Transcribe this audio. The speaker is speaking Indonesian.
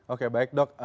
oke baik dok